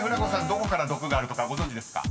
どこから毒があるとかご存じですか？］